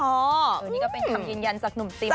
อันนี้ก็เป็นคำยืนยันจากหนุ่มติม